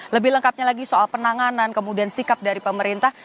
lebih lengkapnya lagi soal penanganan kemudian sikap dari pemerintah